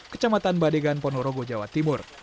kecamatan badegan ponorogo jawa timur